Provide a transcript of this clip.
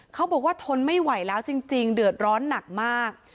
เขาบอกว่าทนไม่ไหวแล้วจริงเดือดร้อนหนักมาก